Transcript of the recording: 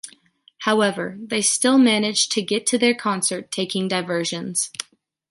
However, they still managed to get to their concert taking diversions.